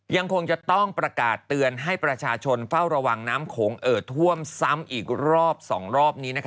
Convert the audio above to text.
ยังคงจะต้องประกาศเตือนให้ประชาชนเฝ้าระวังน้ำโขงเอิดท่วมซ้ำอีกรอบ๒รอบนี้